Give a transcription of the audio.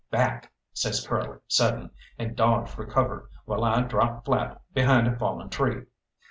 "Back!" says Curly sudden, and dodged for cover, while I dropped flat behind a fallen tree.